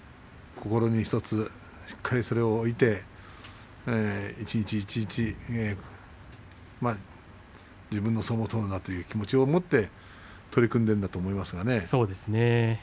心に１つしっかりとそれを置いて一日一日自分の相撲を取るんだという気持ちを持って取り組んでいるんだと思いますけれどもね。